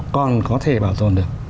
còn có thể bảo tồn được